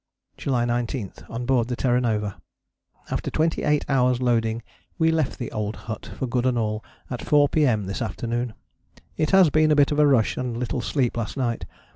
" "January 19. On board the Terra Nova. After 28 hours' loading we left the old hut for good and all at 4 P.M. this afternoon. It has been a bit of a rush and little sleep last night.